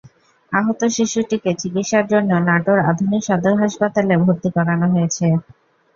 আহত শিশুটিকে চিকিৎসার জন্য নাটোর আধুনিক সদর হাসপাতালে ভর্তি করা হয়েছে।